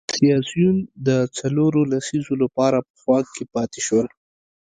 سیاسیون د څلورو لسیزو لپاره په واک کې پاتې شول.